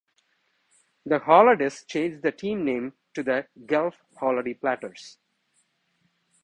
The Holodys changed the team name to the Guelph Holody Platers.